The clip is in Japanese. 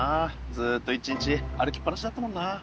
ずっと１日歩きっぱなしだったもんな。